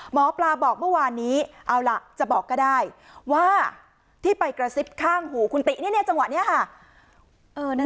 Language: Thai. หมอปลาบอกเมื่อวานนี้เอาล่ะจะบอกก็ได้ว่าที่ไปกระซิบข้างหูคุณตินี่จังหวะนี้ค่ะ